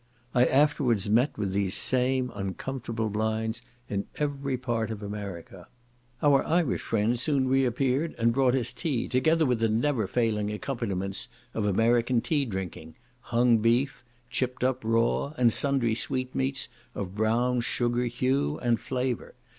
I afterwards met with these same uncomfortable blinds in every part of America. Our Irish friend soon reappeared, and brought us tea, together with the never failing accompaniments of American tea drinking, hung beef, "chipped up" raw, and sundry sweetmeats of brown sugar hue and flavour.